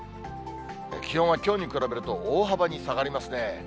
気温はきょうに比べると、大幅に下がりますね。